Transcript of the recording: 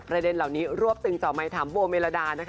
ประเด็นเหล่านี้รวบตึงต่อไปที่ถามโบเมรดานะคะ